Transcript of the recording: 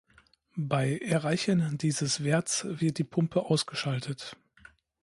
Bei Erreichen dieses Werts wird die Pumpe ausgeschaltet.